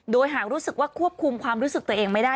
โดยหากรู้สึกว่าควบคุมความรู้สึกตัวเองไม่ได้